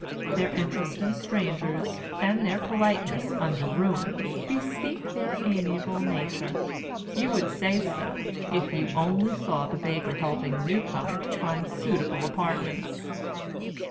Their interest in strangers, and their politeness under ruin, bespeak their amiable nature. You would say so, if you only saw the baker helping a new comer to find suitable apartments.